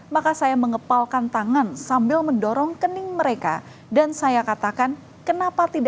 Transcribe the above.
maka saya mengepalkan tangan sambil mendorong kening mereka dan saya katakan kenapa tidak